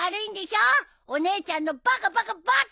お姉ちゃんのバカバカバカ！